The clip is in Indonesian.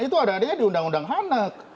itu ada adanya di undang undang anak